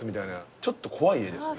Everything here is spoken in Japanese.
ちょっと怖い絵ですね。